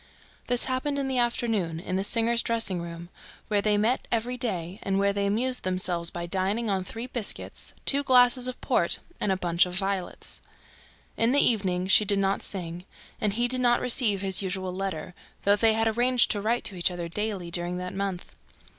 This happened in the afternoon, in the singer's dressing room, where they met every day and where they amused themselves by dining on three biscuits, two glasses of port and a bunch of violets. In the evening, she did not sing; and he did not receive his usual letter, though they had arranged to write to each other daily during that month.